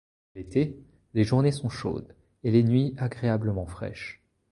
L'été, les journées sont chaudes et les nuits agréablement fraîches.